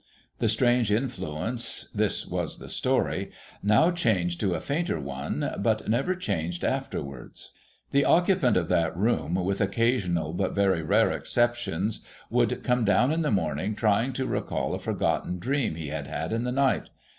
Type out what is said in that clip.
The strange influence (this was the story) now changed to a fainter one, but never changed afterwards. The occupant of that room, with occasional but very rare exceptions, would come down in the morning, trying to recall a forgotten dream he had had in the night.